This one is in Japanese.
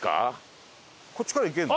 こっちから行けるの？